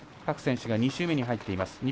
各選手が２周目に入っています。